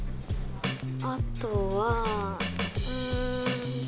あとはうん。